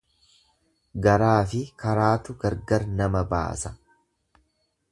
Garaafi karaatu gargar nama baasa.